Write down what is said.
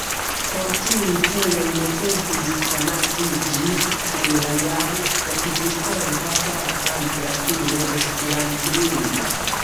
Por tiuj celoj necesis konatiĝi kun la jam ekzistanta faka literaturo esperantlingva.